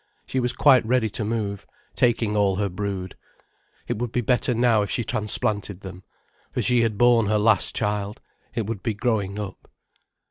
She was quite ready to move, taking all her brood. It would be better now if she transplanted them. For she had borne her last child, it would be growing up.